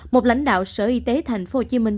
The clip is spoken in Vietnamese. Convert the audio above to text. một lãnh đạo sở y tế thành phố hồ chí minh